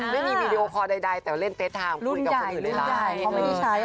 ไม่มีวิดีโอแต่ว่าเล่นเฟสไทม์คุยกับคนอื่นเลยค่ะ